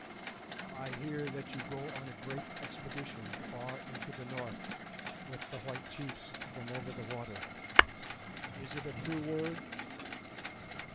"I hear that you go on a great expedition far into the North with the white chiefs from over the water. Is it a true word?"